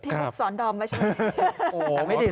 พี่สอนดอมละใช่ไหม